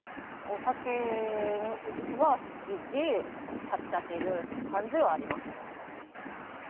お酒は好きで、はっちゃける感じはありました。